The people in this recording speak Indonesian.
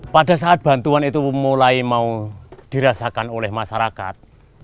pada saat bantuan itu mulai mau dirasakan oleh masyarakat